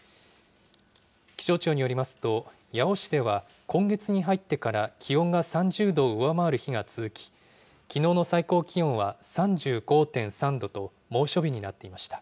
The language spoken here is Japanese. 気象庁によりますと、八尾市では、今月に入ってから気温が３０度を上回る日が続き、きのうの最高気温は３５．３度と、猛暑日になっていました。